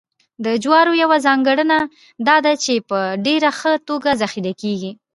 د جوارو یوه ځانګړنه دا ده چې په ډېره ښه توګه ذخیره کېږي